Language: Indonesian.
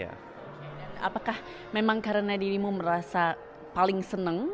dan apakah memang karena dirimu merasa paling seneng